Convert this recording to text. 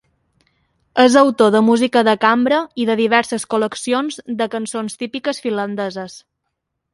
És autor de música de cambra i de diverses col·leccions de cançons típiques finlandeses.